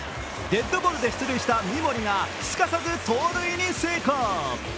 デッドボールで出塁した三森がすかさず盗塁に成功。